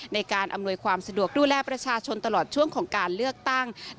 ในการอำนวยความสะดวกดูแลประชาชนตลอดช่วงของการเลือกตั้ง